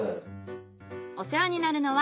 お世話になるのは